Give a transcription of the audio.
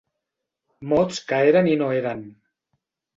Mots que eren i no eren.